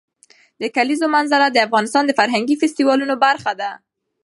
د کلیزو منظره د افغانستان د فرهنګي فستیوالونو برخه ده.